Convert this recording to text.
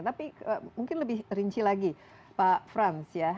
tapi mungkin lebih rinci lagi pak frans ya